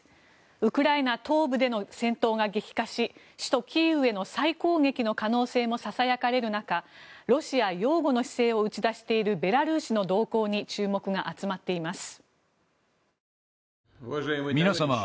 ウクライナ東部での戦闘が激化し首都キーウへの再攻撃の可能性もささやかれる中ロシア擁護の姿勢を打ち出しているベラルーシの動向に注目が集まっています。